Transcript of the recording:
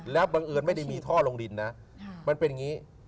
แล้วบังเอิญไม่ได้มีท่อลงดินนะมันเป็นอย่างนี้